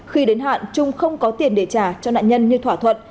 khi đến hạn trung không có tiền để trả cho nạn nhân như thỏa thuận